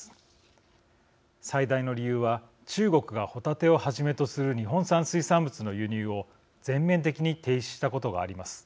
最大の理由は中国がホタテをはじめとする日本産水産物の輸入を全面的に停止したことがあります。